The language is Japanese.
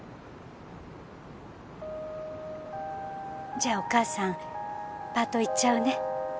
じゃあお母さんパート行っちゃうね。